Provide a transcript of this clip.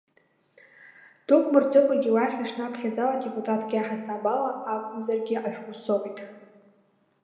Дук мырҵыкәагьы уахь сышнаԥхьаз ала депутатк иаҳасабала акәымзаргьы ашәҟәы соуит.